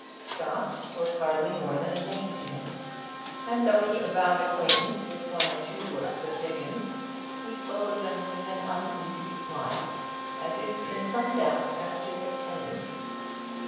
Scott was hardly more than a name to him. And though he avowed acquaintance with one or two works of Dickens, he spoke of them with an uneasy smile, as if in some doubt as to their tendency.